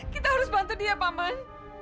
kita harus bantu dia paman